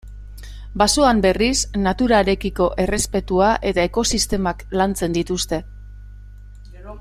Basoan, berriz, naturarekiko errespetua eta ekosistemak lantzen dituzte.